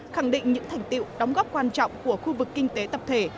khẳng định những thành tiệu đóng góp quan trọng của khu vực kinh tế tập thể